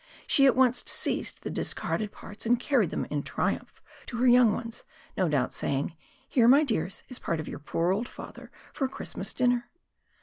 She at once seized the discarded parts and carried them in triumph to her young ones, no doubt saying, " Here, my dears, is part of your poor old father for a Christnias dinner."